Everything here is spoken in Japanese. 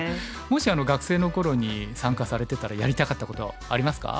もし学生の頃に参加されてたらやりたかったことありますか？